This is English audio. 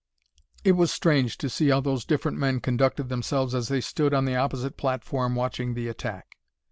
It was strange to see how those different men conducted themselves as they stood on the opposite platform watching the attack.